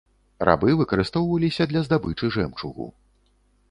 Рабы выкарыстоўваліся для здабычы жэмчугу.